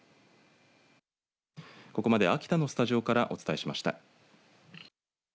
ここまで秋田のスタジオからお伝えしました。